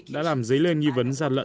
đã làm giấy lên nghi vấn gian lận